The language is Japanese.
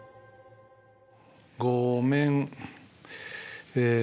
「ごめん」え